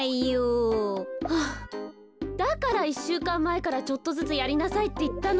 だから１しゅうかんまえからちょっとずつやりなさいっていったのに。